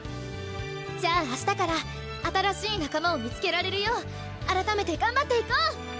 じゃあ明日から新しい仲間を見つけられるよう改めて頑張っていこう！